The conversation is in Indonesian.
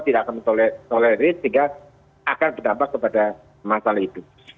tidak akan mentolerir sehingga akan berdampak kepada masalah itu